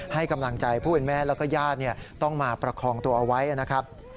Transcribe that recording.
ให้กำลังใจผู้เป็นแม่แล้วก็ญาติต้องมาประคองตัวเอาไว้นะครับ